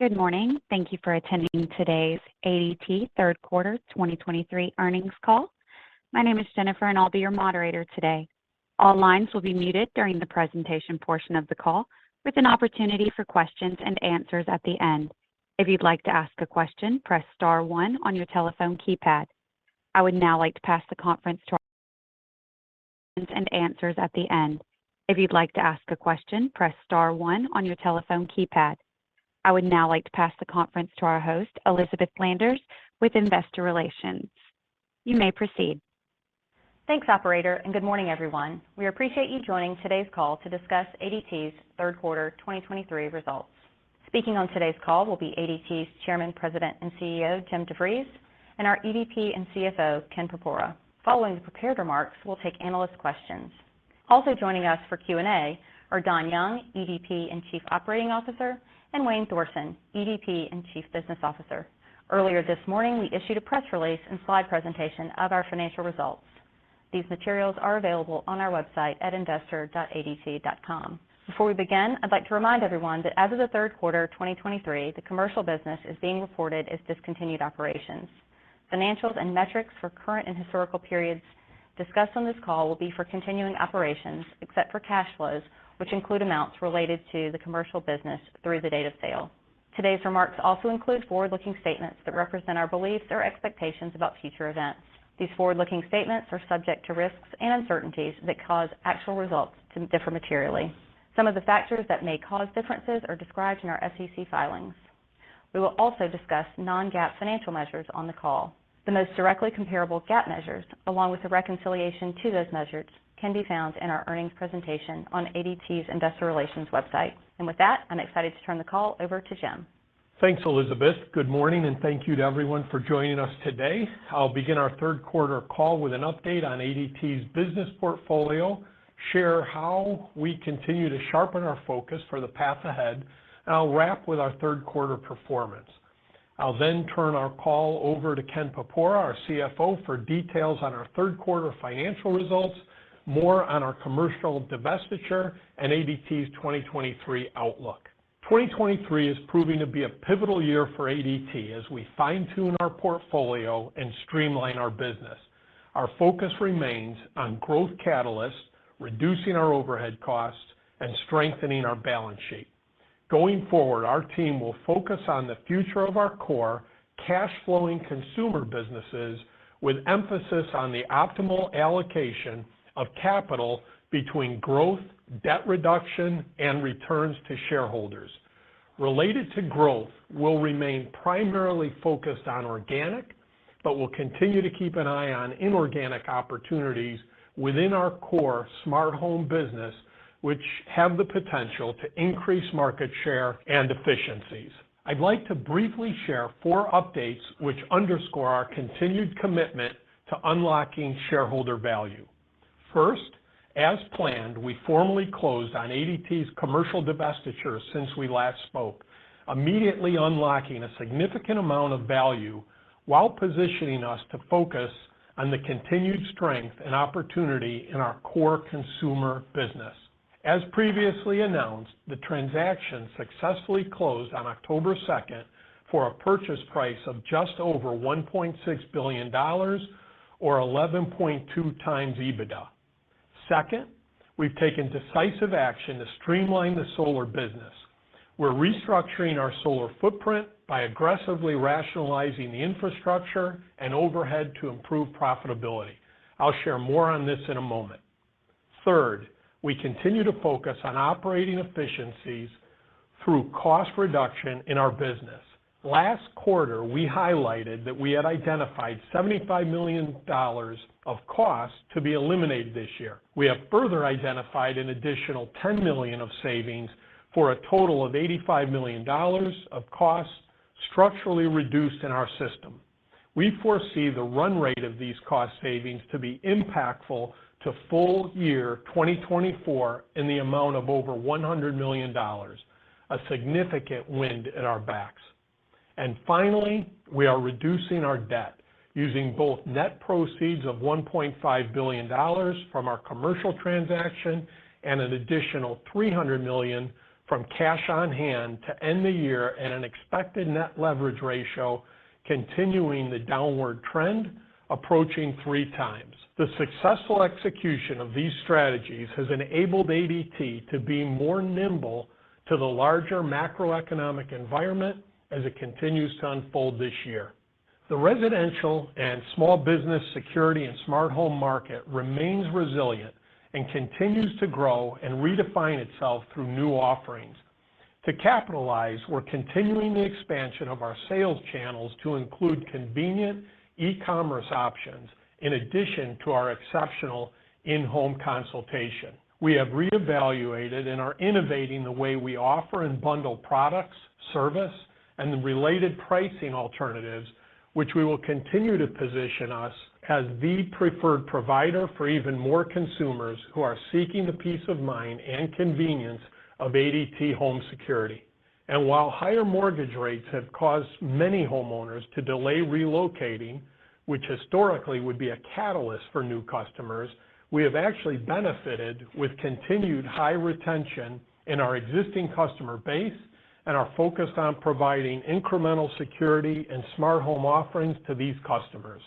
Good morning. Thank you for attending today's ADT third quarter 2023 earnings call. My name is Jennifer, and I'll be your moderator today. All lines will be muted during the presentation portion of the call, with an opportunity for questions and answers at the end. If you'd like to ask a question, press star one on your telephone keypad. I would now like to pass the conference to our host, Elizabeth Landers, with Investor Relations. You may proceed. Thanks, operator, and good morning, everyone. We appreciate you joining today's call to discuss ADT's third quarter 2023 results. Speaking on today's call will be ADT's Chairman, President, and CEO, Jim DeVries, and our EVP and CFO, Ken Porpora. Following the prepared remarks, we'll take analyst questions. Also joining us for Q&A are Don Young, EVP and Chief Operating Officer, and Wayne Thorsen, EVP and Chief Business Officer. Earlier this morning, we issued a press release and slide presentation of our financial results. These materials are available on our website at investor.adt.com. Before we begin, I'd like to remind everyone that as of the third quarter of 2023, the commercial business is being reported as discontinued operations. Financials and metrics for current and historical periods discussed on this call will be for continuing operations, except for cash flows, which include amounts related to the commercial business through the date of sale. Today's remarks also include forward-looking statements that represent our beliefs or expectations about future events. These forward-looking statements are subject to risks and uncertainties that cause actual results to differ materially. Some of the factors that may cause differences are described in our SEC filings. We will also discuss Non-GAAP financial measures on the call. The most directly comparable GAAP measures, along with the reconciliation to those measures, can be found in our earnings presentation on ADT's Investor Relations website. With that, I'm excited to turn the call over to Jim. Thanks, Elizabeth. Good morning, and thank you to everyone for joining us today. I'll begin our third quarter call with an update on ADT's business portfolio, share how we continue to sharpen our focus for the path ahead, and I'll wrap with our third quarter performance. I'll then turn our call over to Ken Porpora, our CFO, for details on our third quarter financial results, more on our commercial divestiture, and ADT's 2023 outlook. 2023 is proving to be a pivotal year for ADT as we fine-tune our portfolio and streamline our business. Our focus remains on growth catalysts, reducing our overhead costs, and strengthening our balance sheet. Going forward, our team will focus on the future of our core cash-flowing consumer businesses with emphasis on the optimal allocation of capital between growth, debt reduction, and returns to shareholders. Related to growth, we'll remain primarily focused on organic, but we'll continue to keep an eye on inorganic opportunities within our core smart home business, which have the potential to increase market share and efficiencies. I'd like to briefly share four updates which underscore our continued commitment to unlocking shareholder value. First, as planned, we formally closed on ADT's commercial divestiture since we last spoke, immediately unlocking a significant amount of value while positioning us to focus on the continued strength and opportunity in our core consumer business. As previously announced, the transaction successfully closed on October second for a purchase price of just over $1.6 billion or 11.2x EBITDA. Second, we've taken decisive action to streamline the solar business. We're restructuring our solar footprint by aggressively rationalizing the infrastructure and overhead to improve profitability. I'll share more on this in a moment. Third, we continue to focus on operating efficiencies through cost reduction in our business. Last quarter, we highlighted that we had identified $75 million of costs to be eliminated this year. We have further identified an additional $10 million of savings for a total of $85 million of costs structurally reduced in our system. We foresee the run rate of these cost savings to be impactful to full year 2024 in the amount of over $100 million, a significant wind at our backs. And finally, we are reducing our debt, using both net proceeds of $1.5 billion from our commercial transaction and an additional $300 million from cash on hand to end the year at an expected net leverage ratio, continuing the downward trend, approaching 3x. The successful execution of these strategies has enabled ADT to be more nimble to the larger macroeconomic environment as it continues to unfold this year. The residential and small business security and smart home market remains resilient and continues to grow and redefine itself through new offerings. To capitalize, we're continuing the expansion of our sales channels to include convenient e-commerce options, in addition to our exceptional in-home consultation. We have reevaluated and are innovating the way we offer and bundle products, service, and the related pricing alternatives, which we will continue to position us as the preferred provider for even more consumers who are seeking the peace of mind and convenience of ADT home security. While higher mortgage rates have caused many homeowners to delay relocating, which historically would be a catalyst for new customers, we have actually benefited with continued high retention in our existing customer base and are focused on providing incremental security and smart home offerings to these customers.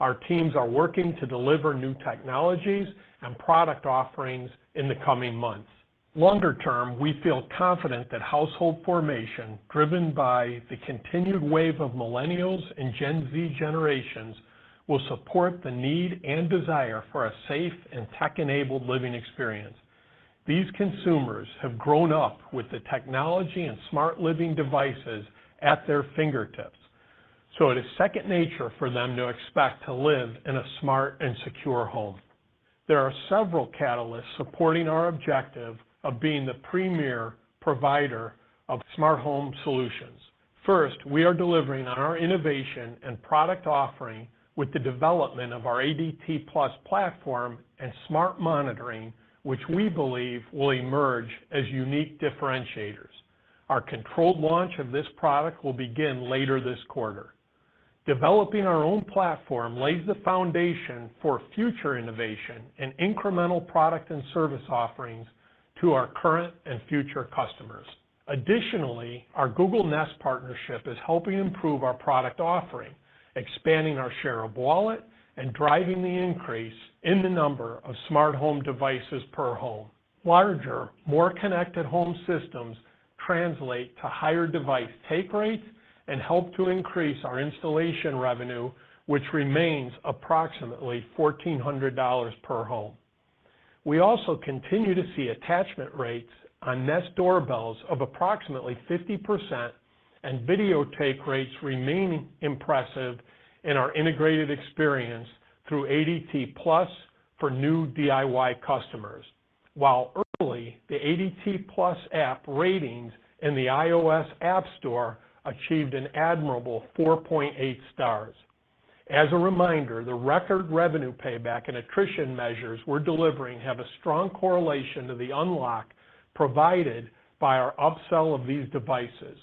Our teams are working to deliver new technologies and product offerings in the coming months. Longer term, we feel confident that household formation, driven by the continued wave of Millennials and Gen Z generations, will support the need and desire for a safe and tech-enabled living experience. These consumers have grown up with the technology and smart living devices at their fingertips, so it is second nature for them to expect to live in a smart and secure home. There are several catalysts supporting our objective of being the premier provider of smart home solutions. First, we are delivering on our innovation and product offering with the development of our ADT+ platform and smart monitoring, which we believe will emerge as unique differentiators. Our controlled launch of this product will begin later this quarter. Developing our own platform lays the foundation for future innovation and incremental product and service offerings to our current and future customers. Additionally, our Google Nest partnership is helping improve our product offering, expanding our share of wallet, and driving the increase in the number of smart home devices per home. Larger, more connected home systems translate to higher device take rates and help to increase our installation revenue, which remains approximately $1,400 per home. We also continue to see attachment rates on Nest doorbells of approximately 50%, and video take rates remain impressive in our integrated experience through ADT+ for new DIY customers. While early, the ADT+ app ratings in the iOS App Store achieved an admirable 4.8 stars. As a reminder, the record revenue payback and attrition measures we're delivering have a strong correlation to the unlock provided by our upsell of these devices,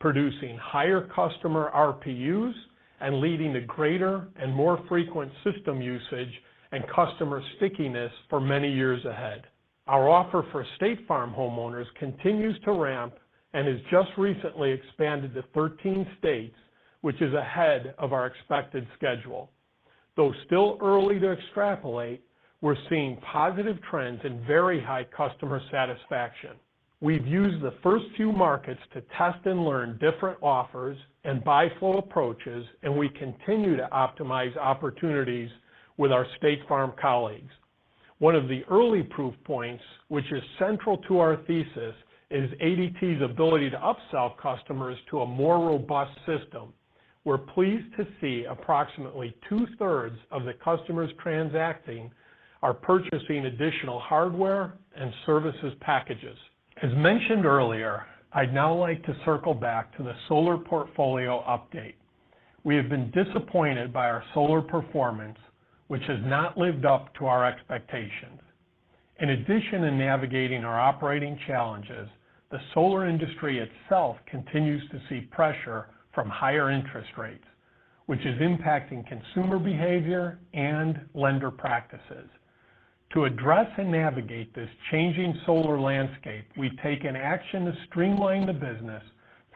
producing higher customer RPUs and leading to greater and more frequent system usage and customer stickiness for many years ahead. Our offer for State Farm homeowners continues to ramp and has just recently expanded to 13 states, which is ahead of our expected schedule. Though still early to extrapolate, we're seeing positive trends and very high customer satisfaction. We've used the first few markets to test and learn different offers and buy flow approaches, and we continue to optimize opportunities with our State Farm colleagues. One of the early proof points, which is central to our thesis, is ADT's ability to upsell customers to a more robust system. We're pleased to see approximately two-thirds of the customers transacting are purchasing additional hardware and services packages. As mentioned earlier, I'd now like to circle back to the solar portfolio update. We have been disappointed by our solar performance, which has not lived up to our expectations. In addition to navigating our operating challenges, the solar industry itself continues to see pressure from higher interest rates, which is impacting consumer behavior and lender practices. To address and navigate this changing solar landscape, we've taken action to streamline the business,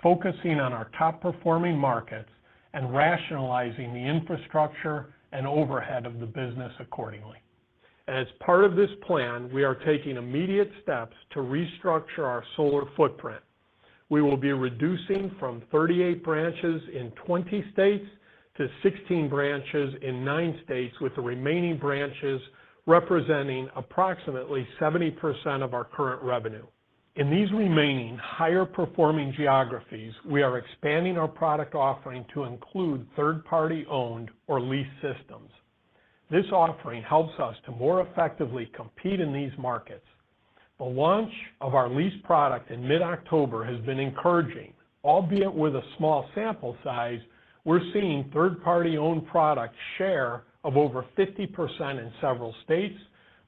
focusing on our top-performing markets and rationalizing the infrastructure and overhead of the business accordingly. As part of this plan, we are taking immediate steps to restructure our solar footprint. We will be reducing from 38 branches in 20 states to 16 branches in 9 states, with the remaining branches representing approximately 70% of our current revenue. In these remaining higher-performing geographies, we are expanding our product offering to include third-party owned or leased systems. This offering helps us to more effectively compete in these markets. The launch of our lease product in mid-October has been encouraging. Albeit with a small sample size, we're seeing third-party owned product share of over 50% in several states,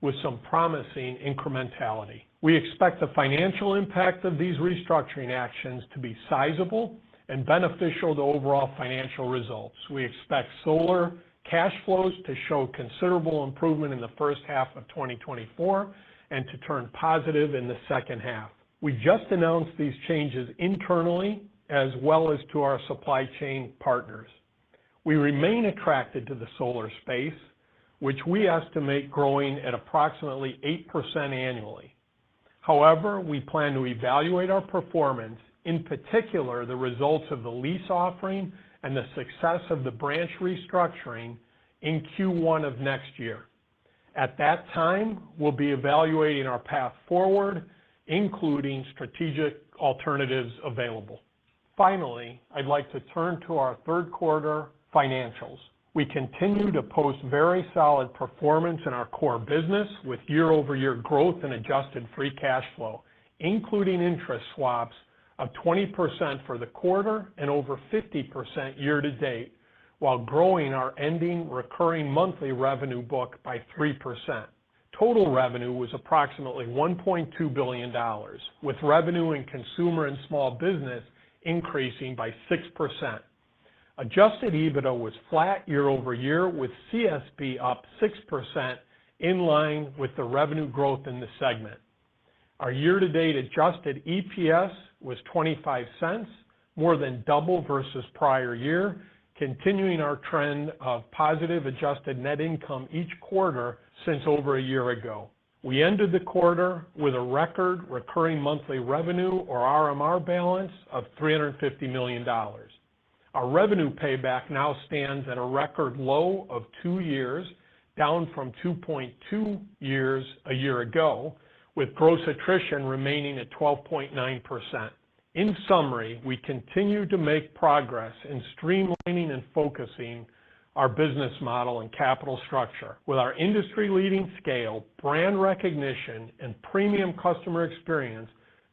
with some promising incrementality. We expect the financial impact of these restructuring actions to be sizable and beneficial to overall financial results. We expect solar cash flows to show considerable improvement in the first half of 2024 and to turn positive in the second half. We just announced these changes internally as well as to our supply chain partners. We remain attracted to the solar space, which we estimate growing at approximately 8% annually. However, we plan to evaluate our performance, in particular, the results of the lease offering and the success of the branch restructuring in Q1 of next year. At that time, we'll be evaluating our path forward, including strategic alternatives available. Finally, I'd like to turn to our third quarter financials. We continue to post very solid performance in our core business, with year-over-year growth in Adjusted Free Cash Flow, including interest swaps of 20% for the quarter and over 50% year to date, while growing our ending Recurring Monthly Revenue book by 3%. Total revenue was approximately $1.2 billion, with revenue in Consumer and Small Business increasing by 6%. Adjusted EBITDA was flat year-over-year, with CSP up 6% in line with the revenue growth in the segment.... Our year-to-date adjusted EPS was $0.25, more than double versus prior year, continuing our trend of positive adjusted net income each quarter since over a year ago. We ended the quarter with a record recurring monthly revenue or RMR balance of $350 million. Our revenue payback now stands at a record low of two years, down from 2.2 years a year ago, with gross attrition remaining at 12.9%. In summary, we continue to make progress in streamlining and focusing our business model and capital structure. With our industry-leading scale, brand recognition, and premium customer experience,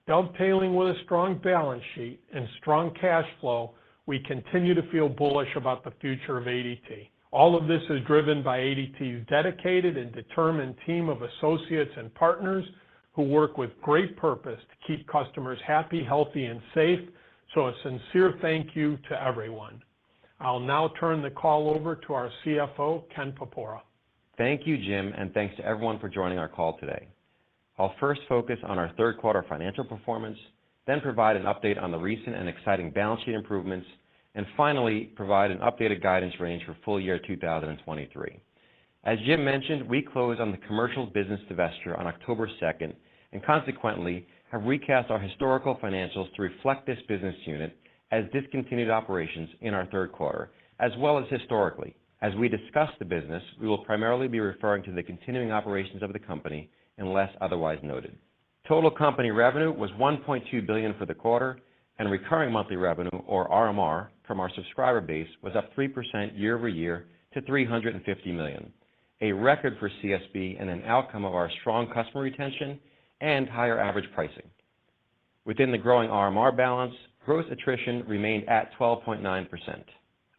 dovetailing with a strong balance sheet and strong cash flow, we continue to feel bullish about the future of ADT. All of this is driven by ADT's dedicated and determined team of associates and partners, who work with great purpose to keep customers happy, healthy and safe. So a sincere thank you to everyone. I'll now turn the call over to our CFO, Ken Porpora. Thank you, Jim, and thanks to everyone for joining our call today. I'll first focus on our third quarter financial performance, then provide an update on the recent and exciting balance sheet improvements, and finally, provide an updated guidance range for full year 2023. As Jim mentioned, we closed on the commercial business divestiture on October 2, and consequently, have recast our historical financials to reflect this business unit as discontinued operations in our third quarter, as well as historically. As we discuss the business, we will primarily be referring to the continuing operations of the company, unless otherwise noted. Total company revenue was $1.2 billion for the quarter, and recurring monthly revenue, or RMR, from our subscriber base, was up 3% year-over-year to $350 million, a record for CSB and an outcome of our strong customer retention and higher average pricing. Within the growing RMR balance, gross attrition remained at 12.9%.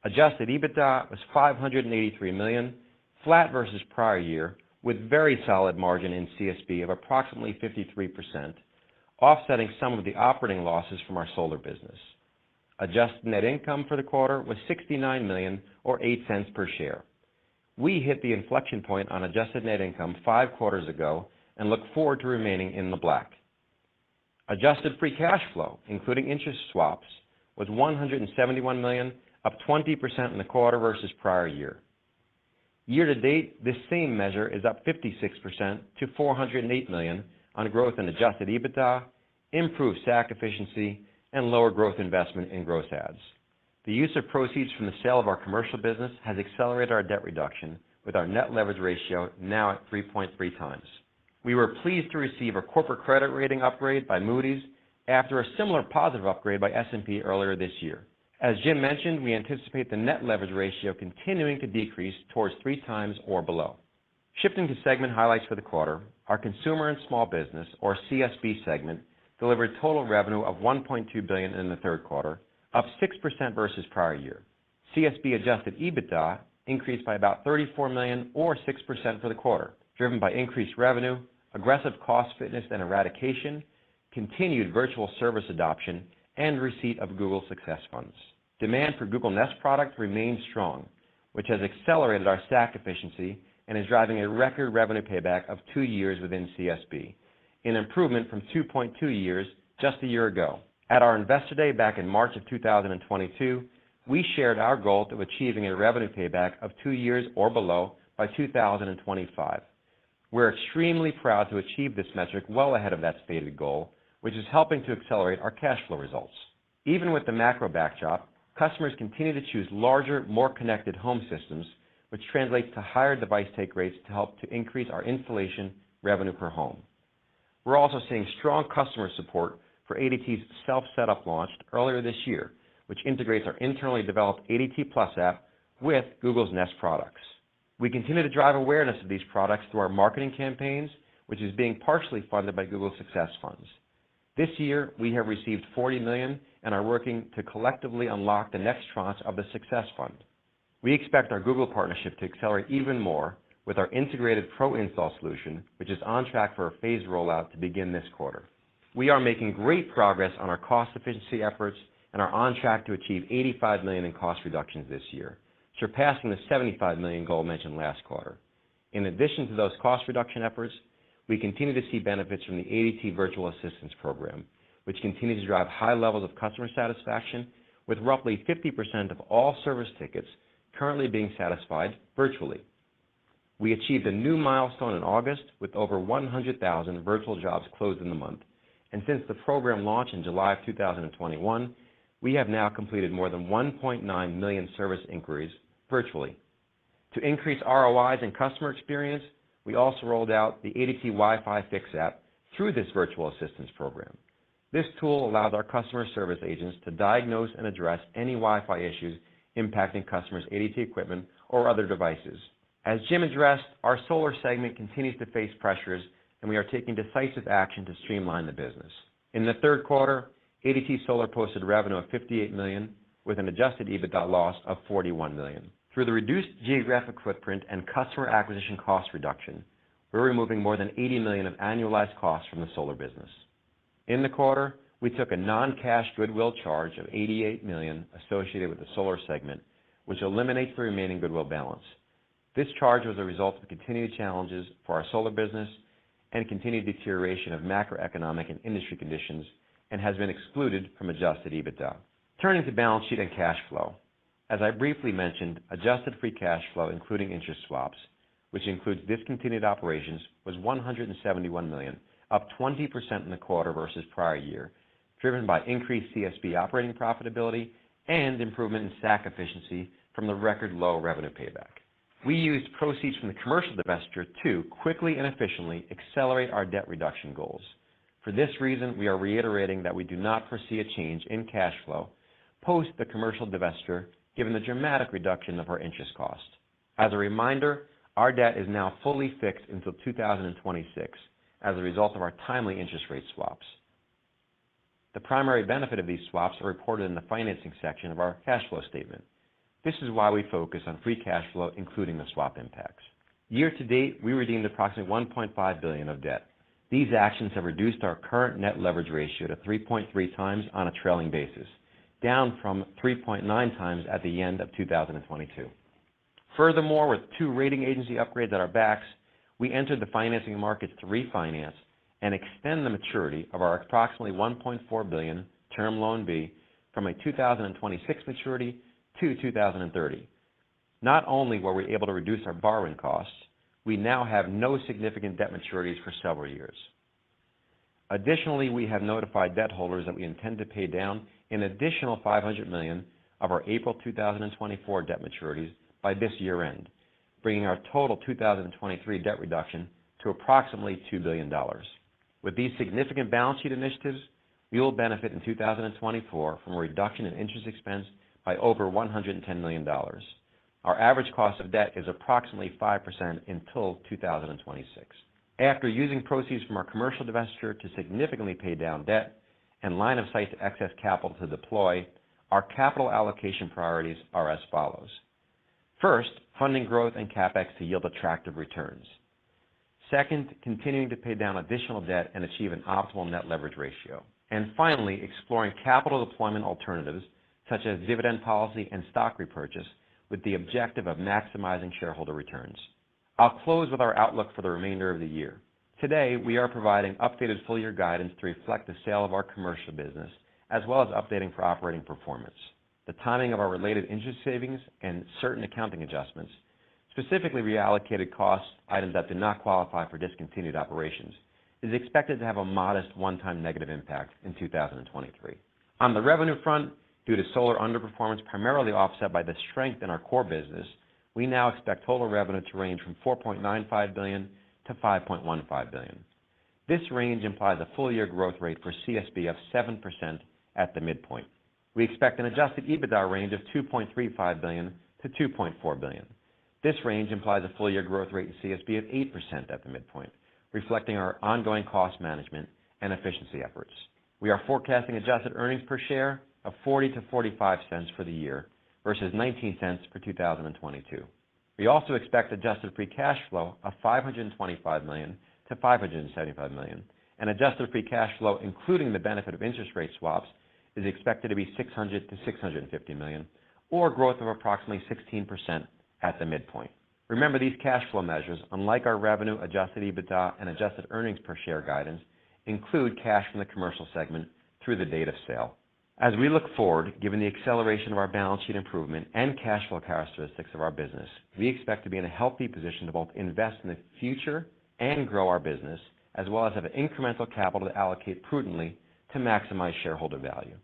Adjusted EBITDA was $583 million, flat versus prior year, with very solid margin in CSB of approximately 53%, offsetting some of the operating losses from our solar business. Adjusted net income for the quarter was $69 million or $0.08 per share. We hit the inflection point on adjusted net income 5 quarters ago and look forward to remaining in the black. Adjusted Free Cash Flow, including interest swaps, was $171 million, up 20% in the quarter versus prior year. Year to date, this same measure is up 56% to $408 million on growth and Adjusted EBITDA, improved stack efficiency, and lower growth investment in gross adds. The use of proceeds from the sale of our commercial business has accelerated our debt reduction, with our net leverage ratio now at 3.3 times. We were pleased to receive a corporate credit rating upgrade by Moody's after a similar positive upgrade by S&P earlier this year. As Jim mentioned, we anticipate the net leverage ratio continuing to decrease towards 3 times or below. Shifting to segment highlights for the quarter, our consumer and small business, or CSB segment, delivered total revenue of $1.2 billion in the third quarter, up 6% versus prior year. CSB adjusted EBITDA increased by about $34 million or 6% for the quarter, driven by increased revenue, aggressive cost fitness and eradication, continued virtual service adoption, and receipt of Google Success funds. Demand for Google Nest product remains strong, which has accelerated our stack efficiency and is driving a record revenue payback of two years within CSB, an improvement from 2.2 years just a year ago. At our Investor Day back in March of 2022, we shared our goal to achieving a revenue payback of two years or below by 2025. We're extremely proud to achieve this metric well ahead of that stated goal, which is helping to accelerate our cash flow results. Even with the macro backdrop, customers continue to choose larger, more connected home systems, which translates to higher device take rates to help to increase our installation revenue per home. We're also seeing strong customer support for ADT's self-setup launched earlier this year, which integrates our internally developed ADT+ app with Google Nest products. We continue to drive awareness of these products through our marketing campaigns, which is being partially funded by Google Success Funds. This year, we have received $40 million and are working to collectively unlock the next tranche of the success fund. We expect our Google partnership to accelerate even more with our integrated Pro Install solution, which is on track for a phase rollout to begin this quarter. We are making great progress on our cost efficiency efforts and are on track to achieve $85 million in cost reductions this year, surpassing the $75 million goal mentioned last quarter. In addition to those cost reduction efforts, we continue to see benefits from the ADT Virtual Assistance Program, which continues to drive high levels of customer satisfaction, with roughly 50% of all service tickets currently being satisfied virtually. We achieved a new milestone in August with over 100,000 virtual jobs closed in the month, and since the program launched in July of 2021, we have now completed more than 1.9 million service inquiries virtually. To increase ROIs and customer experience, we also rolled out the ADT Wi-Fi Fix app through this virtual assistance program. This tool allows our customer service agents to diagnose and address any Wi-Fi issues impacting customers' ADT equipment or other devices. As Jim addressed, our solar segment continues to face pressures, and we are taking decisive action to streamline the business. In the third quarter, ADT Solar posted revenue of $58 million, with an Adjusted EBITDA loss of $41 million. Through the reduced geographic footprint and customer acquisition cost reduction, we're removing more than $80 million of annualized costs from the solar business.... In the quarter, we took a non-cash goodwill charge of $88 million associated with the solar segment, which eliminates the remaining goodwill balance. This charge was a result of the continued challenges for our solar business and continued deterioration of macroeconomic and industry conditions, and has been excluded from Adjusted EBITDA. Turning to balance sheet and cash flow. As I briefly mentioned, Adjusted Free Cash Flow, including interest swaps, which includes discontinued operations, was $171 million, up 20% in the quarter versus prior year, driven by increased CSB operating profitability and improvement in stack efficiency from the record low revenue payback. We used proceeds from the commercial divestiture to quickly and efficiently accelerate our debt reduction goals. For this reason, we are reiterating that we do not foresee a change in cash flow post the commercial divestiture, given the dramatic reduction of our interest costs. As a reminder, our debt is now fully fixed until 2026 as a result of our timely interest rate swaps. The primary benefit of these swaps are reported in the financing section of our cash flow statement. This is why we focus on free cash flow, including the swap impacts. Year to date, we redeemed approximately $1.5 billion of debt. These actions have reduced our current net leverage ratio to 3.3 times on a trailing basis, down from 3.9 times at the end of 2022. Furthermore, with two rating agency upgrades at our backs, we entered the financing markets to refinance and extend the maturity of our approximately $1.4 billion Term Loan B from a 2026 maturity to 2030. Not only were we able to reduce our borrowing costs, we now have no significant debt maturities for several years. Additionally, we have notified debt holders that we intend to pay down an additional $500 million of our April 2024 debt maturities by this year end, bringing our total 2023 debt reduction to approximately $2 billion. With these significant balance sheet initiatives, we will benefit in 2024 from a reduction in interest expense by over $110 million. Our average cost of debt is approximately 5% until 2026. After using proceeds from our commercial divestiture to significantly pay down debt and line of sight to excess capital to deploy, our capital allocation priorities are as follows: First, funding growth and CapEx to yield attractive returns. Second, continuing to pay down additional debt and achieve an optimal net leverage ratio. And finally, exploring capital deployment alternatives such as dividend policy and stock repurchase, with the objective of maximizing shareholder returns. I'll close with our outlook for the remainder of the year. Today, we are providing updated full year guidance to reflect the sale of our commercial business, as well as updating for operating performance. The timing of our related interest savings and certain accounting adjustments, specifically reallocated costs, items that did not qualify for discontinued operations, is expected to have a modest one-time negative impact in 2023. On the revenue front, due to solar underperformance, primarily offset by the strength in our core business, we now expect total revenue to range from $4.95 billion-$5.15 billion. This range implies a full year growth rate for CSB of 7% at the midpoint. We expect an Adjusted EBITDA range of $2.35 billion-$2.4 billion. This range implies a full year growth rate in CSB of 8% at the midpoint, reflecting our ongoing cost management and efficiency efforts. We are forecasting adjusted earnings per share of $0.40-$0.45 for the year, versus $0.19 for 2022. We also expect adjusted free cash flow of $525 million-$575 million, and adjusted free cash flow, including the benefit of interest rate swaps, is expected to be $600 million-$650 million, or growth of approximately 16% at the midpoint. Remember, these cash flow measures, unlike our revenue, adjusted EBITDA and adjusted earnings per share guidance, include cash from the commercial segment through the date of sale. As we look forward, given the acceleration of our balance sheet improvement and cash flow characteristics of our business, we expect to be in a healthy position to both invest in the future and grow our business, as well as have incremental capital to allocate prudently to maximize shareholder value.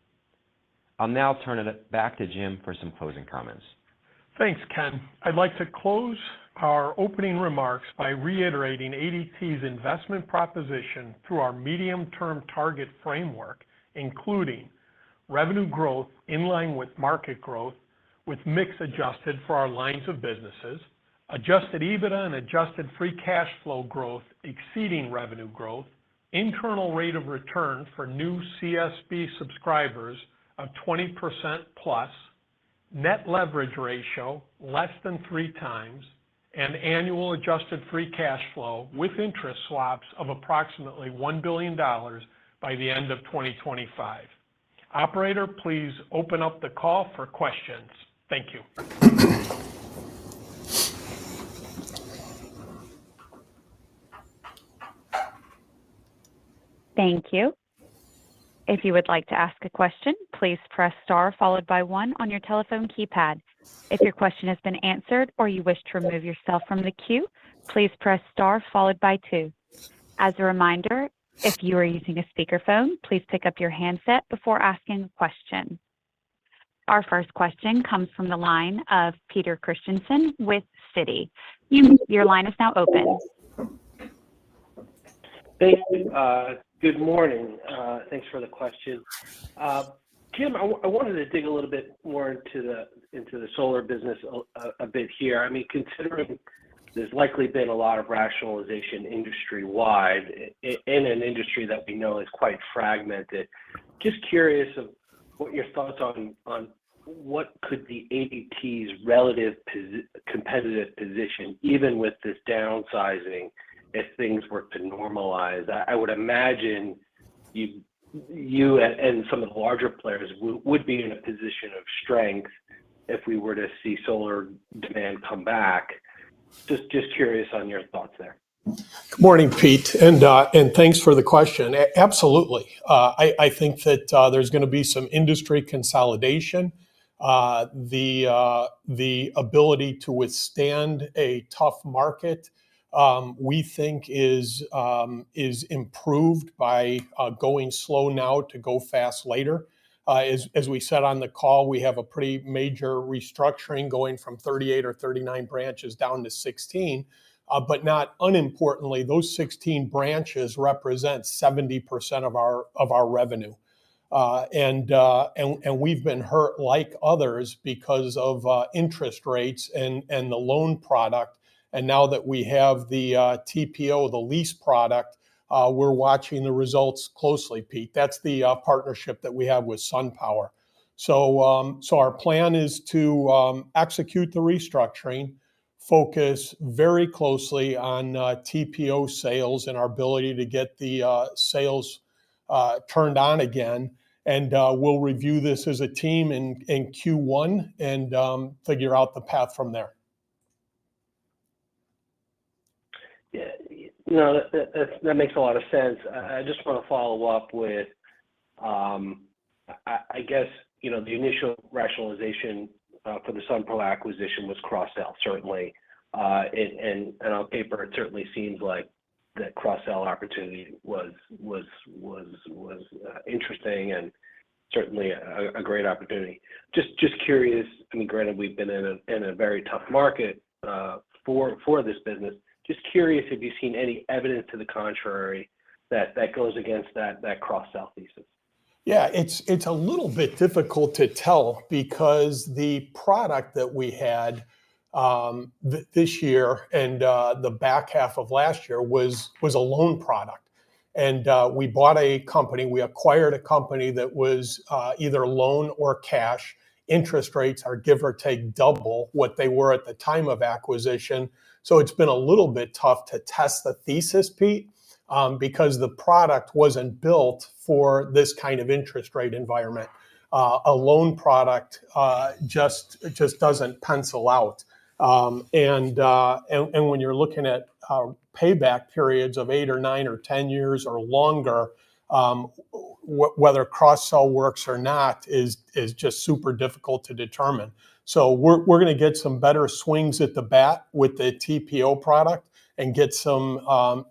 I'll now turn it back to Jim for some closing comments. Thanks, Ken. I'd like to close our opening remarks by reiterating ADT's investment proposition through our medium-term target framework, including revenue growth in line with market growth, with mix adjusted for our lines of businesses, Adjusted EBITDA and Adjusted Free Cash Flow growth exceeding revenue growth, internal rate of return for new CSB subscribers of 20%+, Net Leverage Ratio less than 3x, and annual Adjusted Free Cash Flow with interest swaps of approximately $1 billion by the end of 2025. Operator, please open up the call for questions. Thank you. Thank you. If you would like to ask a question, please press Star followed by one on your telephone keypad. If your question has been answered or you wish to remove yourself from the queue, please press Star followed by two. As a reminder, if you are using a speakerphone, please pick up your handset before asking a question. Our first question comes from the line of Peter Christiansen with Citi. Your line is now open. Thank you. Good morning. Thanks for the questions. Jim, I wanted to dig a little bit more into the solar business a bit here. I mean, considering there's likely been a lot of rationalization industry-wide in an industry that we know is quite fragmented. Just curious of what your thoughts on what could be ADT's relative competitive position, even with this downsizing, if things were to normalize? I would imagine you and some of the larger players would be in a position of strength if we were to see solar demand come back. Just curious on your thoughts there. Good morning, Pete, and thanks for the question. Absolutely, I think that there's gonna be some industry consolidation. The ability to withstand a tough market, we think is improved by going slow now to go fast later. As we said on the call, we have a pretty major restructuring, going from 38 or 39 branches down to 16. But not unimportantly, those 16 branches represent 70% of our revenue. And we've been hurt, like others, because of interest rates and the loan product. And now that we have the TPO, the lease product, we're watching the results closely, Pete. That's the partnership that we have with SunPower. So, our plan is to execute the restructuring, focus very closely on TPO sales and our ability to get the sales turned on again. We'll review this as a team in Q1 and figure out the path from there. Yeah, you know, that makes a lot of sense. I just wanna follow up with... I guess, you know, the initial rationalization for the SunPower acquisition was cross-sell, certainly. And on paper, it certainly seems like the cross-sell opportunity was interesting, and certainly a great opportunity. Just curious, I mean, granted, we've been in a very tough market for this business. Just curious, have you seen any evidence to the contrary that goes against that cross-sell thesis? Yeah, it's a little bit difficult to tell because the product that we had this year and the back half of last year was a loan product. And we bought a company, we acquired a company that was either loan or cash. Interest rates are, give or take, double what they were at the time of acquisition. So it's been a little bit tough to test the thesis, Pete, because the product wasn't built for this kind of interest rate environment. A loan product just doesn't pencil out. And when you're looking at payback periods of eight or nine or 10 years or longer, whether cross-sell works or not is just super difficult to determine. So we're gonna get some better swings at the bat with the TPO product and get some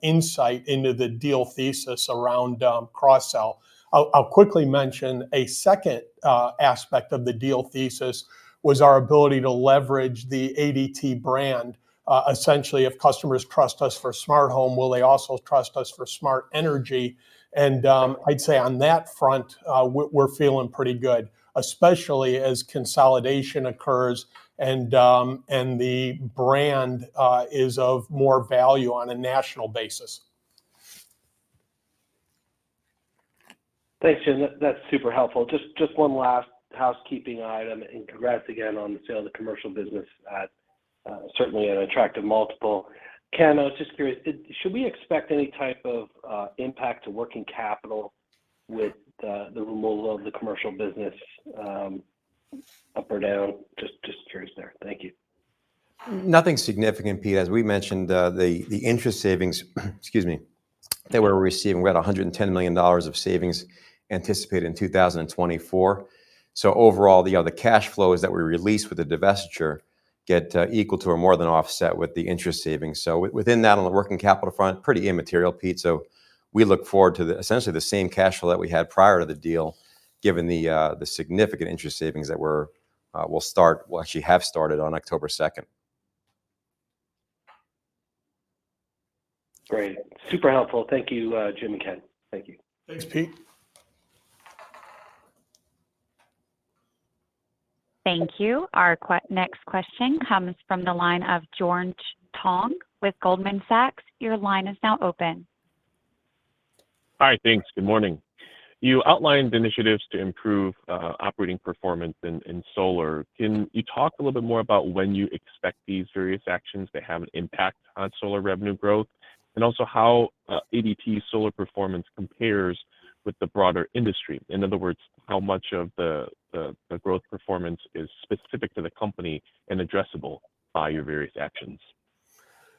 insight into the deal thesis around cross-sell. I'll quickly mention a second aspect of the deal thesis, was our ability to leverage the ADT brand. Essentially, if customers trust us for smart home, will they also trust us for smart energy? And I'd say on that front, we're feeling pretty good, especially as consolidation occurs, and the brand is of more value on a national basis. Thanks, Jim. That's super helpful. Just one last housekeeping item, and congrats again on the sale of the commercial business at certainly an attractive multiple. Ken, I was just curious, should we expect any type of impact to working capital with the removal of the commercial business, up or down? Just curious there. Thank you. Nothing significant, Pete. As we mentioned, the interest savings, excuse me, that we're receiving, we had $110 million of savings anticipated in 2024. So overall, the cash flows that we released with the divestiture get equal to or more than offset with the interest savings. So within that, on the working capital front, pretty immaterial, Pete. So we look forward to the essentially the same cash flow that we had prior to the deal, given the significant interest savings that we will start, well, actually have started on October 2nd. Great. Super helpful. Thank you, Jim and Ken. Thank you. Thanks, Pete. Thank you. Our next question comes from the line of George Tong with Goldman Sachs. Your line is now open. Hi, thanks. Good morning. You outlined initiatives to improve operating performance in solar. Can you talk a little bit more about when you expect these various actions to have an impact on solar revenue growth? And also how ADT's solar performance compares with the broader industry. In other words, how much of the growth performance is specific to the company and addressable by your various actions?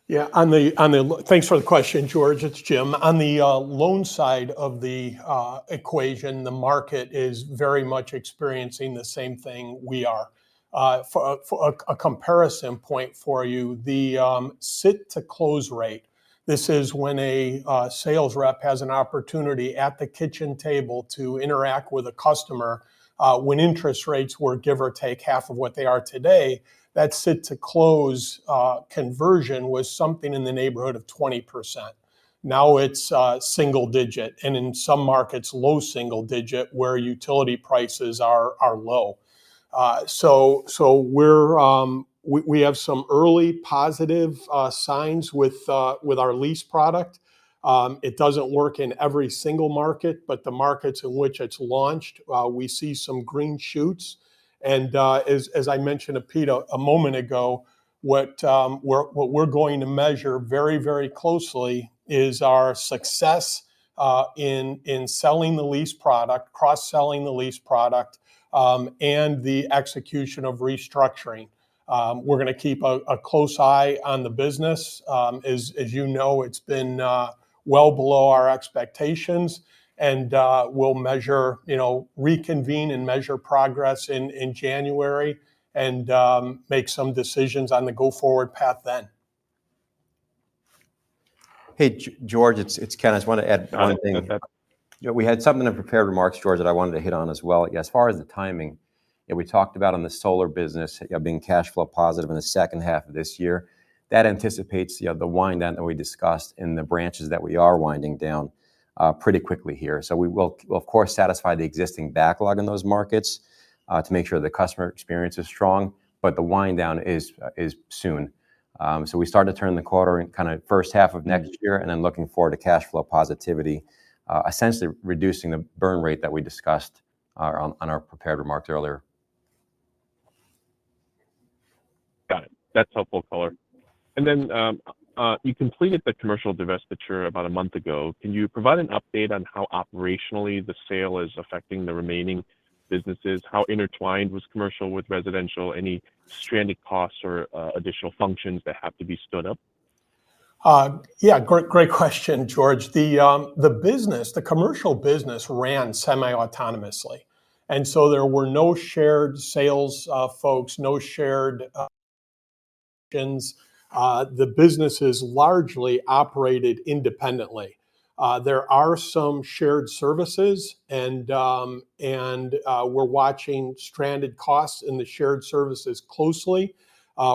Yeah, on the... Thanks for the question, George. It's Jim. On the loan side of the equation, the market is very much experiencing the same thing we are. For a comparison point for you, the sit-to-close rate, this is when a sales rep has an opportunity at the kitchen table to interact with a customer, when interest rates were, give or take, half of what they are today, that sit-to-close conversion was something in the neighborhood of 20%. Now it's single digit, and in some markets, low single digit, where utility prices are low. So we're, we have some early positive signs with our lease product. It doesn't work in every single market, but the markets in which it's launched, we see some green shoots. As I mentioned to Peter a moment ago, what we're going to measure very closely is our success in selling the lease product, cross-selling the lease product, and the execution of restructuring. We're gonna keep a close eye on the business. As you know, it's been well below our expectations, and we'll, you know, reconvene and measure progress in January, and make some decisions on the go-forward path then. Hey, George, it's Ken. I just want to add one thing. Go ahead. Yeah, we had something in prepared remarks, George, that I wanted to hit on as well. As far as the timing, yeah, we talked about on the solar business being cash flow positive in the second half of this year. That anticipates, you know, the wind down that we discussed in the branches that we are winding down pretty quickly here. So we will, of course, satisfy the existing backlog in those markets to make sure the customer experience is strong, but the wind down is, is soon. So we start to turn the quarter in kind of first half of next year, and then looking forward to cash flow positivity, essentially reducing the burn rate that we discussed on our prepared remarks earlier. Got it. That's helpful color. And then, you completed the commercial divestiture about a month ago. Can you provide an update on how operationally the sale is affecting the remaining businesses? How intertwined was commercial with residential? Any stranded costs or additional functions that have to be stood up? Yeah, great, great question, George. The business, the commercial business ran semi-autonomously, and so there were no shared sales, folks, no shared functions. The businesses largely operated independently. There are some shared services, and we're watching stranded costs in the shared services closely.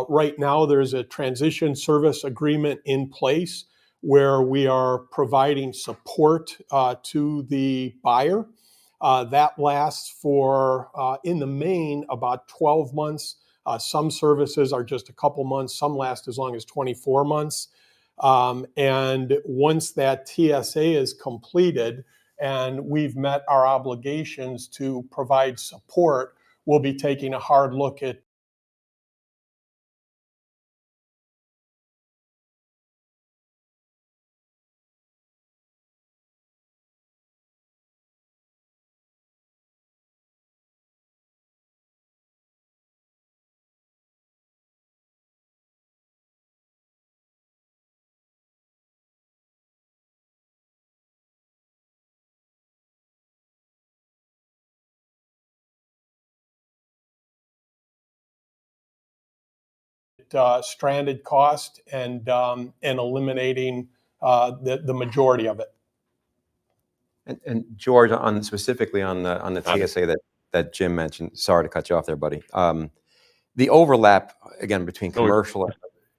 Right now, there's a transition service agreement in place where we are providing support to the buyer. That lasts for, in the main, about 12 months. Some services are just a couple of months, some last as long as 24 months. And once that TSA is completed, and we've met our obligations to provide support, we'll be taking a hard look at stranded cost and eliminating the majority of it. George, specifically on the TSA that Jim mentioned... Sorry to cut you off there, buddy. The overlap, again, between commercial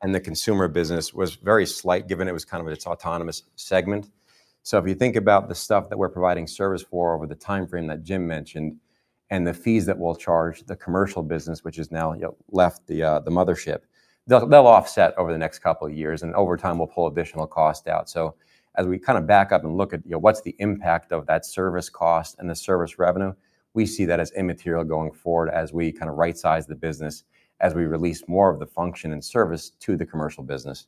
and the consumer business was very slight, given it was kind of its autonomous segment. So if you think about the stuff that we're providing service for over the timeframe that Jim mentioned, and the fees that we'll charge, the commercial business, which has now, you know, left the mothership, they'll offset over the next couple of years, and over time, we'll pull additional costs out. So as we kind of back up and look at, you know, what's the impact of that service cost and the service revenue, we see that as immaterial going forward, as we kind of rightsize the business, as we release more of the function and service to the commercial business.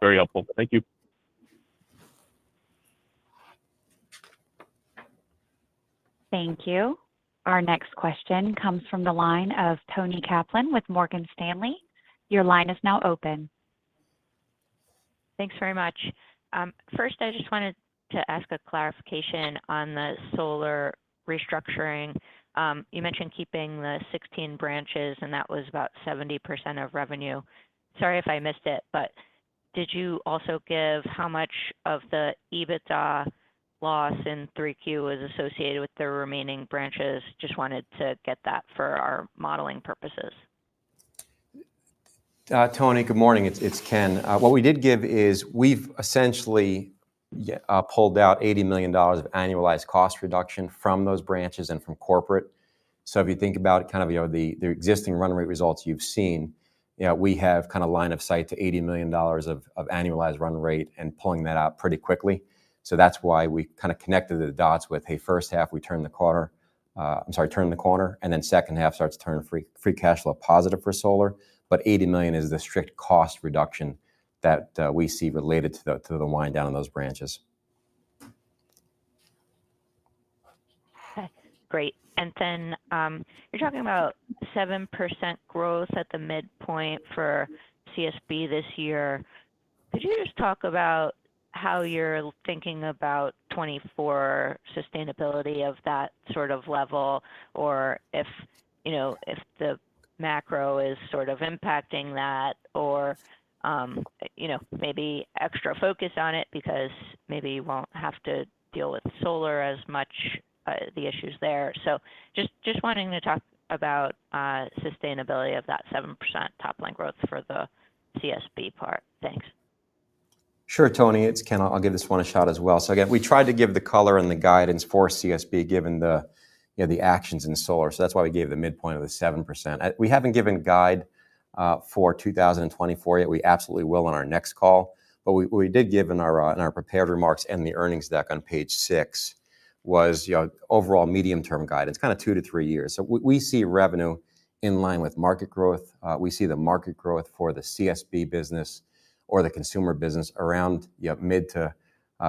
Very helpful. Thank you. Thank you. Our next question comes from the line of Toni Kaplan with Morgan Stanley. Your line is now open. Thanks very much. First, I just wanted to ask a clarification on the solar restructuring. You mentioned keeping the 16 branches, and that was about 70% of revenue. Sorry if I missed it, but did you also give how much of the EBITDA loss in 3Q was associated with the remaining branches? Just wanted to get that for our modeling purposes. Toni, good morning. It's Ken. What we did give is, we've essentially pulled out $80 million of annualized cost reduction from those branches and from corporate. So if you think about kind of, you know, the, the existing run rate results you've seen, you know, we have kind of line of sight to $80 million of, of annualized run rate and pulling that out pretty quickly. So that's why we kind of connected the dots with, hey, first half, we turn the quarter. I'm sorry, turn the corner, and then second half starts turning free cash flow positive for solar. But $80 million is the strict cost reduction that, uh, we see related to the, to the wind down in those branches. Great. And then, you're talking about 7% growth at the midpoint for CSB this year. Could you just talk about how you're thinking about 2024 sustainability of that sort of level, or if, you know, if the macro is sort of impacting that or, you know, maybe extra focus on it because maybe you won't have to deal with solar as much, the issues there. So just, just wanting to talk about, sustainability of that 7% top line growth for the CSB part. Thanks. ... Sure, Toni, it's Ken. I'll give this one a shot as well. So again, we tried to give the color and the guidance for CSB, given the, you know, the actions in solar. So that's why we gave the midpoint of the 7%. We haven't given a guide for 2024 yet. We absolutely will on our next call, but we did give in our prepared remarks, and the earnings deck on page 6 was, you know, overall medium-term guidance, kind of 2-3 years. So we see revenue in line with market growth. We see the market growth for the CSB business or the consumer business around, yep, mid- to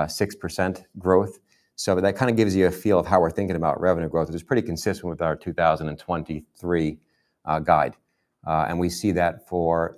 6% growth. So that kind of gives you a feel of how we're thinking about revenue growth. It is pretty consistent with our 2023 guide. And we see that for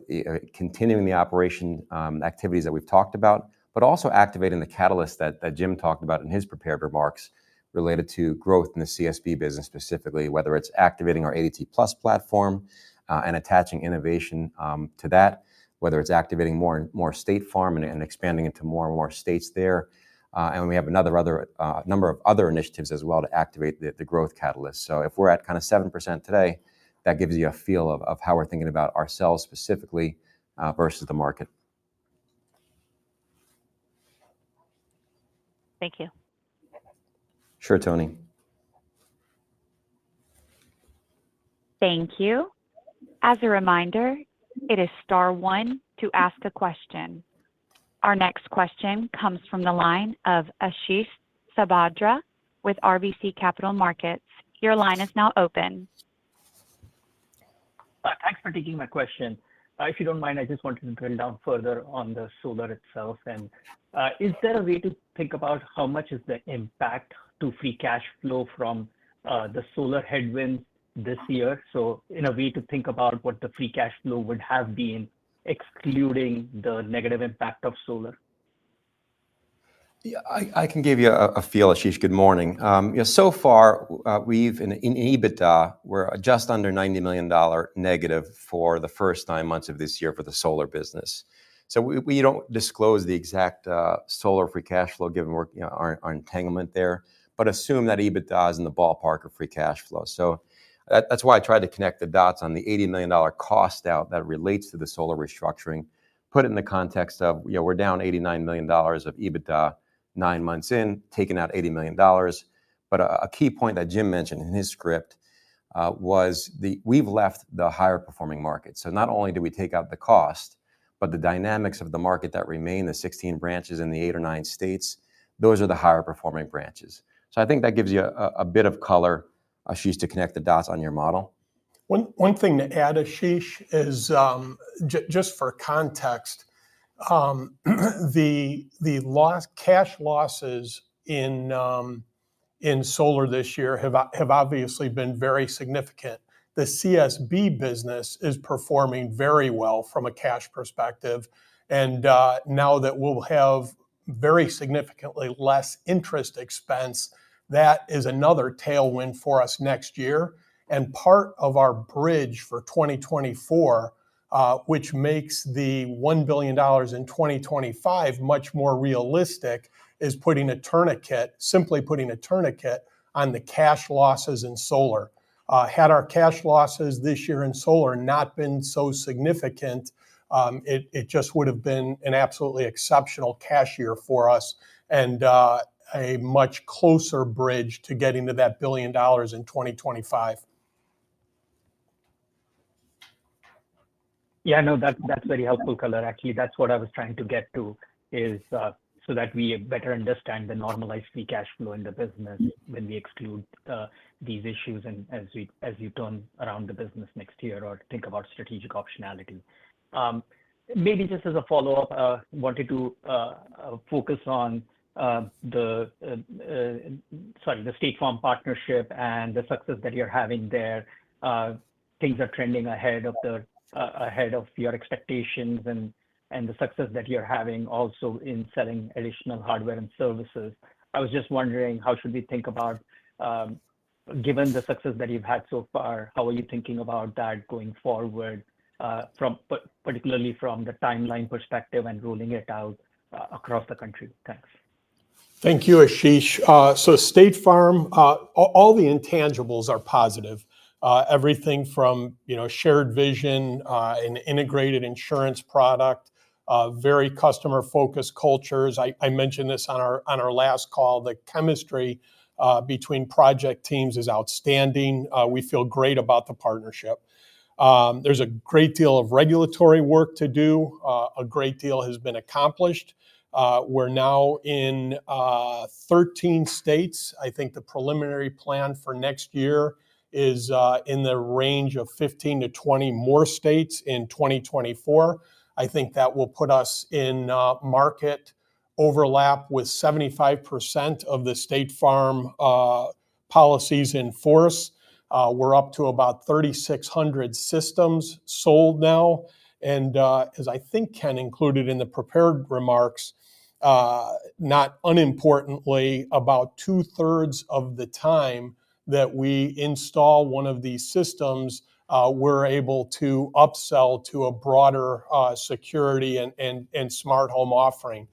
continuing the operation activities that we've talked about, but also activating the catalyst that Jim talked about in his prepared remarks related to growth in the CSB business, specifically, whether it's activating our ADT+ platform and attaching innovation to that. Whether it's activating more and more State Farm and expanding into more and more states there. And we have a number of other initiatives as well to activate the growth catalyst. So if we're at kinda 7% today, that gives you a feel of how we're thinking about ourselves specifically versus the market. Thank you. Sure, Toni. Thank you. As a reminder, it is star one to ask a question. Our next question comes from the line of Ashish Sabadra with RBC Capital Markets. Your line is now open. Thanks for taking my question. If you don't mind, I just wanted to drill down further on the solar itself, and, is there a way to think about how much is the impact to free cash flow from, the solar headwinds this year? So in a way to think about what the free cash flow would have been, excluding the negative impact of solar. Yeah, I can give you a feel, Ashish. Good morning. Yeah, so far, we've in EBITDA, we're just under $90 million negative for the first nine months of this year for the solar business. So we don't disclose the exact solar free cash flow, given work, you know, our entanglement there, but assume that EBITDA is in the ballpark of free cash flow. So that's why I tried to connect the dots on the $80 million cost out that relates to the solar restructuring. Put it in the context of, you know, we're down $89 million of EBITDA, nine months in, taking out $80 million. But a key point that Jim mentioned in his script was the, we've left the higher-performing market. So not only do we take out the cost, but the dynamics of the market that remain, the 16 branches in the 8 or 9 states, those are the higher-performing branches. So I think that gives you a, a bit of color, Ashish, to connect the dots on your model. One thing to add, Ashish, is just for context, the cash losses in solar this year have obviously been very significant. The CSB business is performing very well from a cash perspective, and now that we'll have very significantly less interest expense, that is another tailwind for us next year. And part of our bridge for 2024, which makes the $1 billion in 2025 much more realistic, is putting a tourniquet, simply putting a tourniquet on the cash losses in solar. Had our cash losses this year in solar not been so significant, it just would have been an absolutely exceptional cash year for us and a much closer bridge to getting to that $1 billion in 2025. Yeah, no, that, that's very helpful color. Actually, that's what I was trying to get to, is so that we better understand the normalized free cash flow in the business when we exclude these issues and as you turn around the business next year or think about strategic optionality. Maybe just as a follow-up, wanted to focus on, sorry, the State Farm partnership and the success that you're having there. Things are trending ahead of ahead of your expectations and, and the success that you're having also in selling additional hardware and services. I was just wondering, how should we think about, given the success that you've had so far, how are you thinking about that going forward, from particularly from the timeline perspective and rolling it out across the country? Thanks. Thank you, Ashish. So State Farm, all the intangibles are positive. Everything from, you know, shared vision, an integrated insurance product, very customer-focused cultures. I mentioned this on our last call, the chemistry between project teams is outstanding. We feel great about the partnership. There's a great deal of regulatory work to do. A great deal has been accomplished. We're now in 13 states. I think the preliminary plan for next year is in the range of 15-20 more states in 2024. I think that will put us in a market overlap with 75% of the State Farm policies in force. We're up to about 3,600 systems sold now, and as I think Ken included in the prepared remarks, not unimportantly, about two-thirds of the time that we install one of these systems, we're able to upsell to a broader security and smart home offering.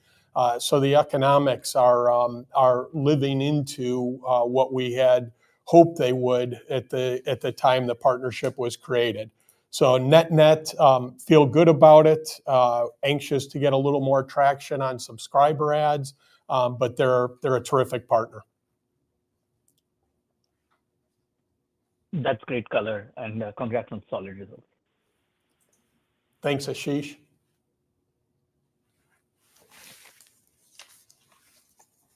So the economics are living into what we had hoped they would at the time the partnership was created. So net-net, feel good about it. Anxious to get a little more traction on subscriber adds, but they're a terrific partner. That's great color, and, congrats on solid results. Thanks, Ashish.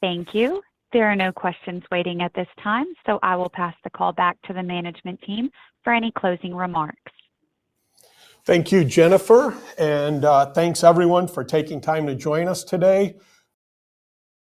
Thank you. There are no questions waiting at this time, so I will pass the call back to the management team for any closing remarks. Thank you, Jennifer, and thanks everyone for taking time to join us today.